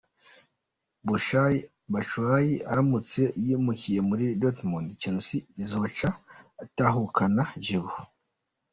Batshuayi aramutse yimukiye muri Dortmund, Chelsea izoca itahukana Giroud.